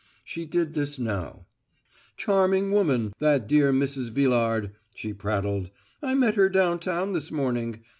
She did this now. Charming woman, that dear Mrs. Villard, she prattled. "I met her downtown this morning.